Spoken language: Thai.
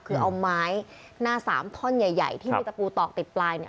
คือเอาไม้หน้า๓ถ้อนใหญ่ที่มีปูตอกติดปลาย